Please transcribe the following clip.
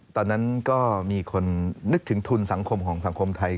ตอนนั้นก็มีคนนึกถึงทุนสังคมของสังคมไทย